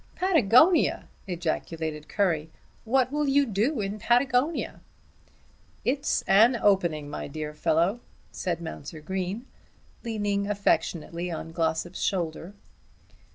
"Patagonia!" ejaculated Currie. "What will you do in Patagonia?" "It's an opening, my dear fellow," said Mounser Green leaning affectionately on Glossop's shoulder.